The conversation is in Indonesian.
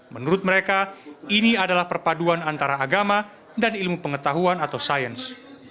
menurut mereka ini adalah perpaduan antara agama dan ilmu pengetahuan atau sains